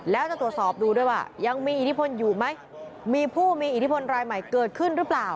แล้วจะตรวจสอบดูด้วยว่ายังมีอิทธิพลอยู่ไหมมีผู้มีอิทธิพลรายใหม่เกิดขึ้นหรือเปล่า